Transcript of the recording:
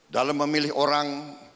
dalam memilih orang